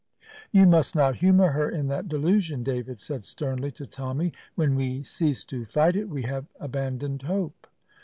"You must not humour her in that delusion," David said sternly to Tommy; "when we cease to fight it we have abandoned hope."